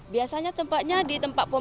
biasanya tempatnya di tempat